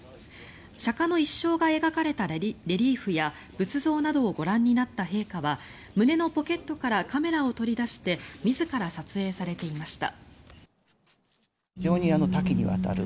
釈迦の一生が描かれたレリーフや仏像などをご覧になった陛下は胸のポケットからカメラを取り出して自ら撮影されていました。